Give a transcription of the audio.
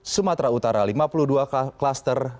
sumatera utara lima puluh dua klaster